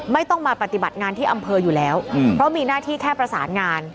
ไม่ต้องมาปฏิบัติงานที่อำเภออยู่แล้วเพราะมีหน้าที่แค่ประสานงาน